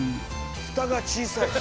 ふたが小さい。